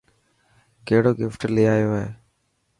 ڪهڙو گفٽ لي آيو هي.